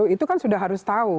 itu kan sudah harus tahu